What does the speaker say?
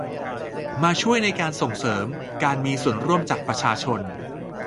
มาช่วยในการส่งเสริมการมีส่วนร่วมจากประชาชน